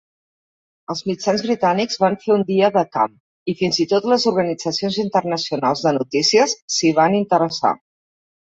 Els mitjans britànics van fer un dia de camp i fins i tot les organitzacions internacionals de notícies s'hi van interessar.